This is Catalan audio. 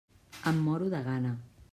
Em moro de gana.